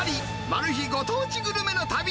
丸秘ご当地グルメの旅。